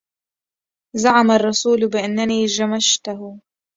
زعم الرسول بأنني جمشته